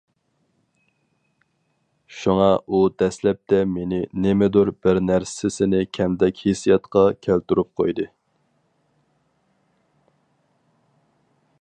شۇڭا ئۇ دەسلەپتە مېنى نېمىدۇر بىر نەرسىسى كەمدەك ھېسسىياتقا كەلتۈرۈپ قويدى.